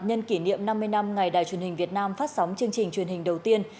nhân kỷ niệm năm mươi năm ngày đài truyền hình việt nam phát sóng chương trình truyền hình đầu tiên